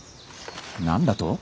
何だと。